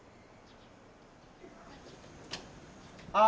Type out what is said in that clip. あ。